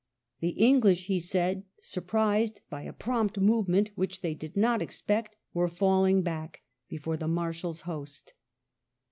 " The English," he said, " surprised by a prompt move ment which they did not expect^ were falling back" before the Marshal's host.